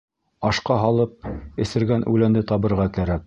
Ашҡа һалып эсергән үләнде табырға кәрәк.